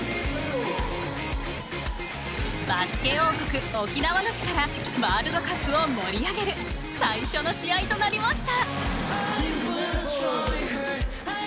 バスケ王国沖縄の地からワールドカップを盛り上げる最初の試合となりました。